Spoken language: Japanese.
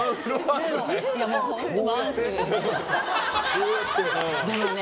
こうやってね。